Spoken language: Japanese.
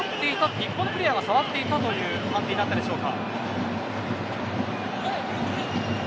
日本が触っていたという判定になったでしょうか。